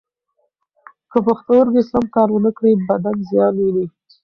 که پښتورګي سم کار و نه کړي، بدن زیان ویني.